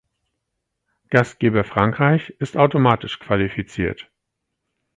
Gastgeber Frankreich ist automatisch qualifiziert.